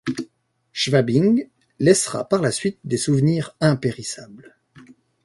Schwabing laissera par la suite des souvenirs impérissables.